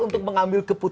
untuk mengambil keputusan